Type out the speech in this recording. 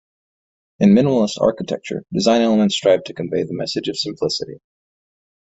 In minimalist architecture, design elements strive to convey the message of simplicity.